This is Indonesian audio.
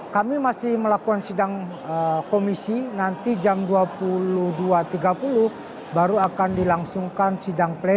kami masih melakukan sidang komisi nanti jam dua puluh dua tiga puluh baru akan dilangsungkan sidang pleno